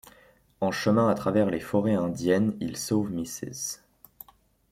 En chemin, à travers les forêts indiennes, ils sauvent Mrs.